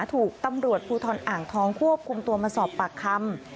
ถูกตำรวจภูทรอ่างทองควบคุมตัวมาสอบปากคำ